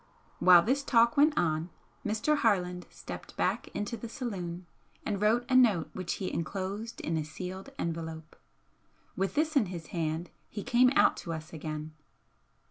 While this talk went on Mr. Harland stepped back into the saloon and wrote a note which he enclosed in a sealed envelope. With this in his hand he came out to us again.